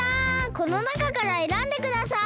このなかからえらんでください。